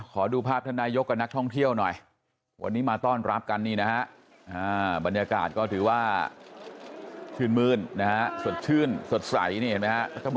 ขอดูภาพท่านนายกกับนักท่องเที่ยวหน่อยวันนี้มาต้อนรับกันนี่นะฮะบรรยากาศก็ถือว่าชื่นมื้นนะฮะสดชื่นสดใสนี่เห็นไหมฮะ